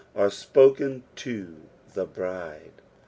are spoken to the bride.